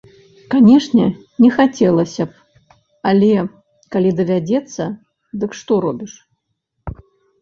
Канешне, не хацелася б, але, калі давядзецца, дык што робіш.